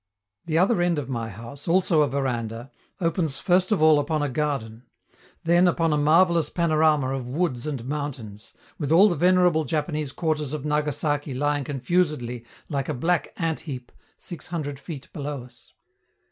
The other end of my house, also a veranda, opens first of all upon a garden; then upon a marvellous panorama of woods and mountains, with all the venerable Japanese quarters of Nagasaki lying confusedly like a black ant heap, six hundred feet below us.